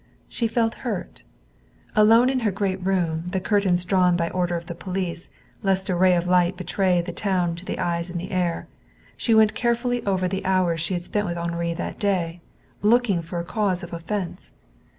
She felt hurt. Alone in her great room, the curtains drawn by order of the police, lest a ray of light betray the town to eyes in the air, she went carefully over the hours she had spent with Henri that day, looking for a cause of offense.